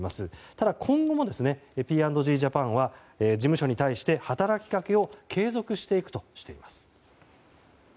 ただ、今後もＰ＆Ｇジャパンは事務所に対して働きかけを継続していくとしています。